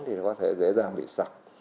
thì nó có thể dễ dàng bị sặc